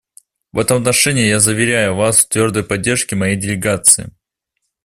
В этом отношении я заверяю Вас в твердой поддержке моей делегации.